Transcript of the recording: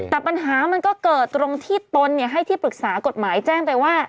แต่ปัญหามันก็เกิดตรงที่ตนให้ที่ปรึกษากฎหมายแจ้งไปว่า